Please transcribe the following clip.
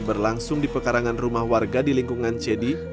berlangsung di pekarangan rumah warga di lingkungan cedi